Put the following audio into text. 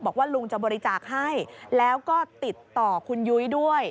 บอกว่าลุงจะบริจาคให้แล้วก็ติดต่อคุณยุ้ยด้วย